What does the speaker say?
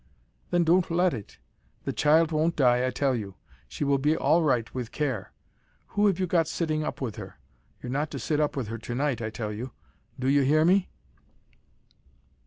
"Then don't let it. The child won't die, I tell you. She will be all right, with care. Who have you got sitting up with her? You're not to sit up with her tonight, I tell you. Do you hear me?"